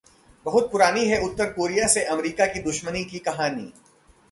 बहुत पुरानी है उत्तर कोरिया से अमेरिका की दुश्मनी की कहानी